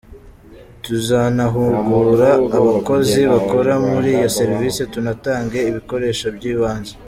Tuzanahugura abakozi bakora muri iyo serivisi tunatange ibikoresho by’ibanze.